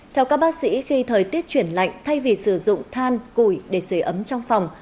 theo các bác sĩ khi thời tiết chuyển lạnh thay vì sử dụng than củi để sửa ấm trong phòng